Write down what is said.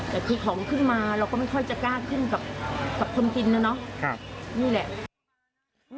แต่พอของขึ้นมาเราก็ไม่ค่อยจะกล้าขึ้นกับคนกินนะเนาะนี่แหละ